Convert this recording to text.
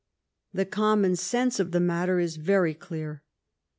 The common sense of the matter is very clear.